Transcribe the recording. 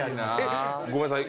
ごめんなさい。